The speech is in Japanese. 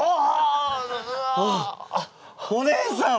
あっお姉さん！